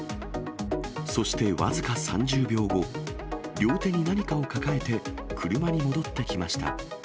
そして僅か３０秒後、両手に何かを抱えて車に戻ってきました。